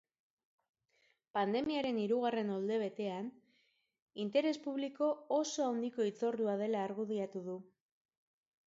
Pandemiaren hirugarren olde betean, interes publiko oso handiko hitzordua dela argudiatu du.